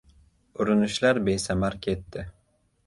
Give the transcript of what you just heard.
Urinishlar besamar ketdi.